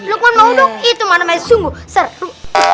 lu kan mau dong itu mana main sungguh seru